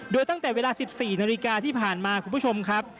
โดยตั้งแต่เวลา๑๔นาฬิกาที่ผ่านมาคุณผู้ชมครับ